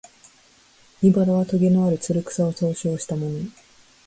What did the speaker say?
「茨」はとげのある、つる草を総称したもの